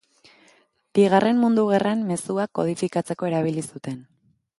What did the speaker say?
Bigarren Mundu Gerran mezuak kodifikatzeko erabili zuten.